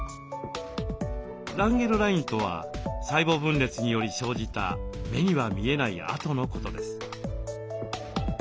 ランゲルラインとは細胞分裂により生じた目には見えない跡のことです。